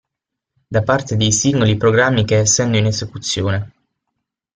Da parte dei singoli programmi che essendo in esecuzione.